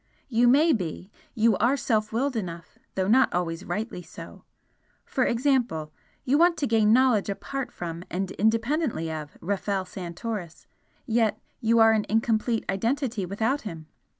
You may be, you are self willed enough, though not always rightly so for example, you want to gain knowledge apart from and independently of Rafel Santoris, yet you are an incomplete identity without him!